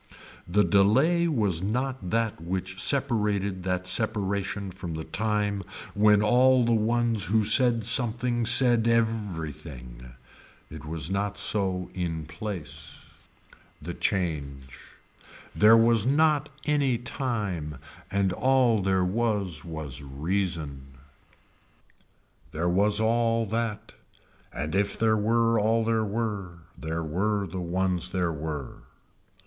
The delay was not that which separated that separation from the time when all the ones who said something said every thing. It was not so in place. The change. There was not any time and all there was was reason. There was all that and if there were all there were there were the ones there were.